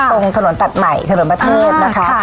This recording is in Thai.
ตรงถนนตัดใหม่เฉลิมประเทศนะคะ